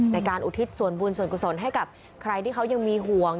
อุทิศส่วนบุญส่วนกุศลให้กับใครที่เขายังมีห่วง